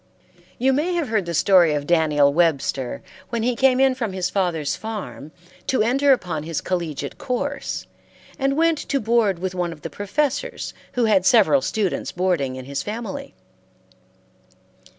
You may have heard the story of Daniel Webster, when he came in from his father's farm to enter upon his collegiate course, and went to board with one of the professors who had several students boarding in his family.